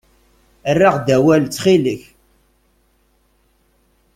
Err-aɣ-d awal, ttxil-k.